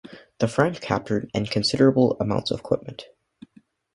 The French captured and considerable amounts of equipment.